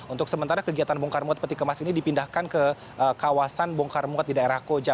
untuk sementara kegiatan bongkar muat peti kemas ini dipindahkan ke kawasan bongkar muat di daerah koja